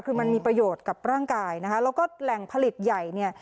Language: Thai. คือมันมีประโยชน์กับร่างกายนะคะแล้วก็แหล่งผลิตใหญ่เนี่ย